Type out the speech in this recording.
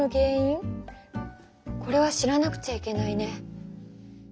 これは知らなくちゃいけないね。